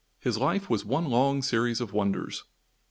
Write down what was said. His life was one long series of wonders.